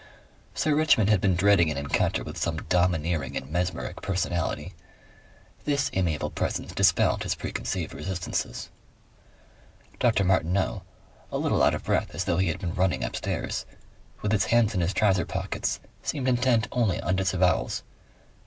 Sir Richmond had been dreading an encounter with some dominating and mesmeric personality; this amiable presence dispelled his preconceived resistances. Dr. Martineau, a little out of breath as though he had been running upstairs, with his hands in his trouser pockets, seemed intent only on disavowals.